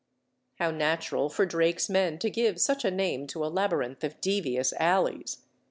How natural for Drake's men to give such a name to a labyrinth of devious alleys!